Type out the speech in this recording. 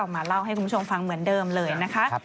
มาเล่าให้คุณผู้ชมฟังเหมือนเดิมเลยนะคะ